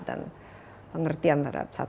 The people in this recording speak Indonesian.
dan pengertian terhadap satu sama lain